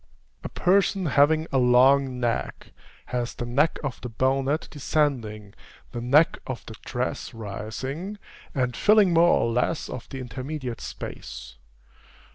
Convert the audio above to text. A person having a long neck has the neck of the bonnet descending, the neck of the dress rising, and filling more or less of the intermediate space.